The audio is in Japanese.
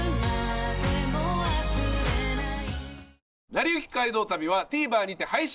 『なりゆき街道旅』はＴＶｅｒにて配信中です。